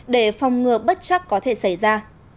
để phòng ngừa bất chắc có thể xảy ra